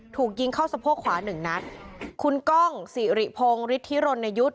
ถูกยิงเข้าสะโพกขวาหนึ่งนัดคุณก้องสิริพงศ์ฤทธิรณยุทธ์